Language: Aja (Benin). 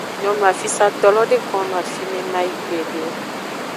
Nyonu afisato lo de gonno afime mayi gbede o.